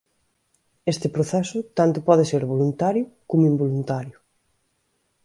Este proceso tanto pode ser voluntario como involuntario.